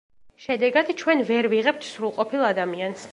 შედეგად, ჩვენ ვერ ვიღებთ სრულყოფილ ადამიანს.